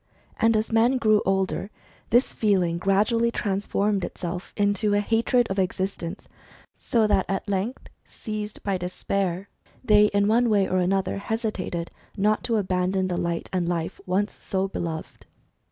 And as men grew older, this feeling gradually transformed itself into a hatred of existence, so that at length, seized by despair, they in one way or another hesitated not to abandon the light and life once so beloved.